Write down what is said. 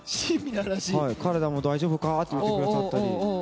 体大丈夫かとか言ってくださったり。